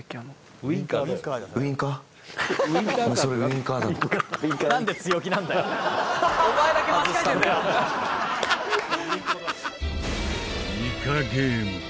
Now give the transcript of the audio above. ニカゲーム。